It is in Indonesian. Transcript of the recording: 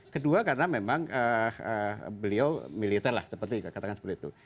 kedua karena memang beliau militer lah seperti katakan seperti itu